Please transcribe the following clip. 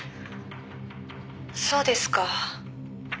「そうですか」